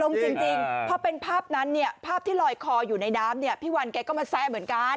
จริงพอเป็นภาพนั้นเนี่ยภาพที่ลอยคออยู่ในน้ำเนี่ยพี่วันแกก็มาแซะเหมือนกัน